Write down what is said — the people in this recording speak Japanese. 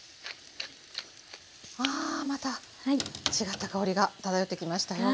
わあまた違った香りが漂ってきましたよ。